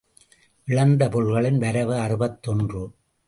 இழந்த பொருள்களின் வரவு அறுபத்தொன்று.